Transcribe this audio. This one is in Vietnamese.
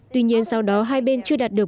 tuy nhiên sau đó hai bên chưa đạt được